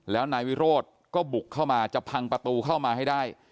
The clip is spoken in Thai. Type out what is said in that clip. แล้วนายวิโรธก็บุกเข้ามาจะพังประตูเข้ามาให้ได้